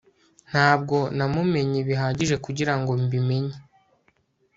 Ntabwo namumenye bihagije kugirango mbimenye